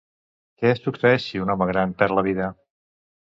Què succeeix si un home gran perd la vida?